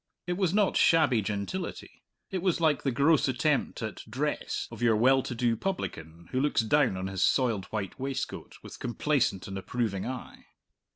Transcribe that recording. It was not shabby gentility. It was like the gross attempt at dress of your well to do publican who looks down on his soiled white waistcoat with complacent and approving eye.